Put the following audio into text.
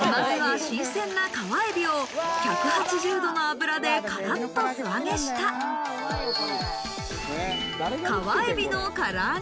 まずは新鮮な川海老を１８０度の油でカラっと素揚げした川海老のから揚げ。